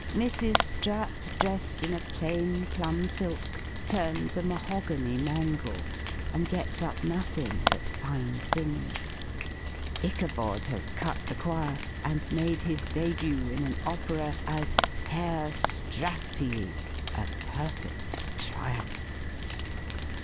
Mrs. Strap, dressed in a plain plum silk, turns a mahogany mangle, and gets up nothing but "fine things." Ichabod has cut the choir, and made his début in an opera as Herr Strapii, a perfect triumph.